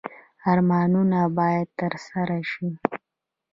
ارمانونه باید ترسره شي